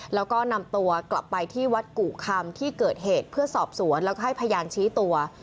แล้วก็นำตัวกลับไปที่วัดกุคำที่เกิดเหตุเพื่อสอบสวนแล้วก็ให้พยานชี้ตัว